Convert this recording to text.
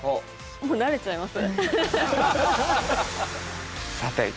もうなれちゃいます？